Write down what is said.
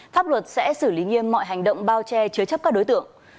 pháp luật sẽ xử lý nghiêm mọi hành động bao che chứa chấp các đối tượng